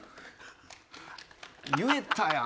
言えたやん。